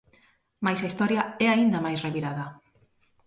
Mais a historia é aínda máis revirada.